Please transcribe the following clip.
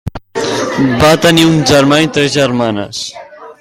Va tenir un germà i tres germanes.